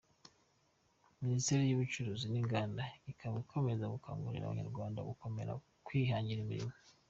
Minisiteri y’ubucuruzi n’inganda ikaba ikomeza gukangurira Abanyarwanda gukomeza kwihangira imirimo.